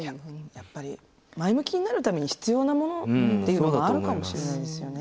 やっぱり前向きになるために必要なものっていうのがあるかもしれないですよね。